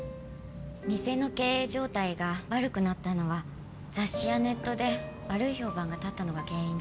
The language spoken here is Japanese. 店の経営状態が悪くなったのは雑誌やネットで悪い評判が立ったのが原因でした。